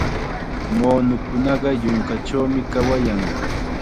Muunukunaqa yunkachawmi kawayan.